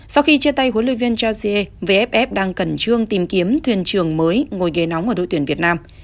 sau khi chia tay huấn luyện viên ge vff đang khẩn trương tìm kiếm thuyền trường mới ngồi ghế nóng ở đội tuyển việt nam